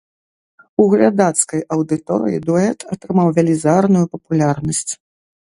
У глядацкай аўдыторыі дуэт атрымаў велізарную папулярнасць.